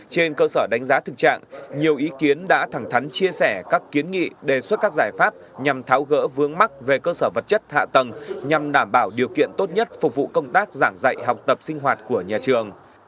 trên cơ sở đánh giá thực trạng nhiều ý kiến đã thẳng thắn chia sẻ các kiến nghị đề xuất các giải pháp nhằm tháo gỡ vướng mắc về cơ sở vật chất hạ tầng nhằm đảm bảo điều kiện tốt nhất phục vụ công tác giảng dạy học tập sinh hoạt của nhà trường